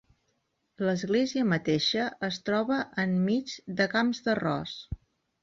L'església mateixa es troba enmig de camps d'arròs.